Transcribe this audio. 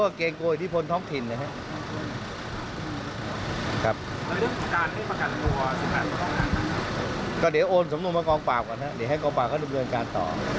เดี๋ยวให้กรุงปรากฏเขาดูเรื่องการต่อ